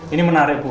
ini menarik bu